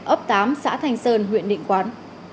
ấp tám xã thành sơn huyện định quán